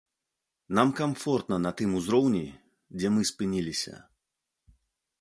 Нам камфортна на тым узроўні, дзе мы спыніліся.